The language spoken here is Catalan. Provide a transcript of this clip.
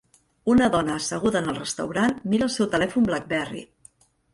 Una dona asseguda en el restaurant mira el seu telèfon BlackBerry.